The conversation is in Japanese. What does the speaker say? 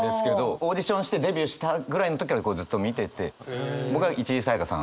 オーディションしてデビューしたぐらいの時からずっと見てて。